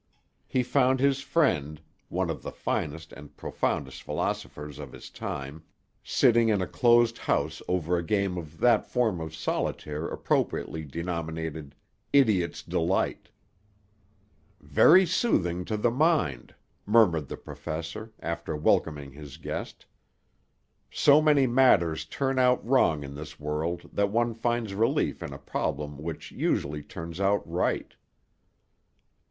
He found his friend, one of the finest and profoundest philosophers of his time, sitting in a closed house over a game of that form of solitaire appropriately denominated "Idiot's Delight." "Very soothing to the mind," murmured the professor, after welcoming his guest. "So many matters turn out wrong in this world that one finds relief in a problem which usually turns out right."